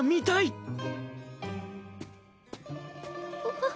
あっ。